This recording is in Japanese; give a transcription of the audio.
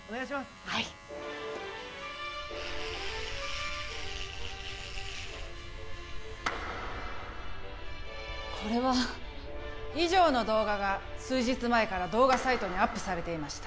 はいこれは以上の動画が数日前から動画サイトにアップされていました